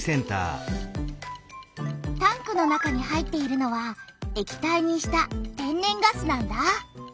タンクの中に入っているのは液体にした天然ガスなんだ。